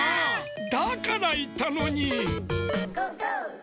だからいったのに！